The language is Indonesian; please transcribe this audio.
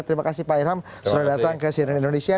terima kasih pak irham selamat datang ke cnn indonesia